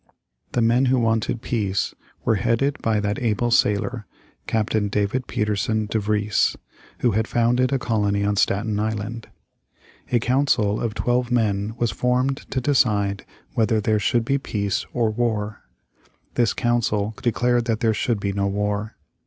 The men who wanted peace were headed by that able sailor, Captain David Pietersen De Vries, who had founded a colony on Staten Island. A council of twelve men was formed to decide whether there should be peace or war. This council declared that there should be no war.